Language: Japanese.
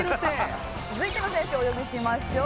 続いての選手をお呼びしましょう。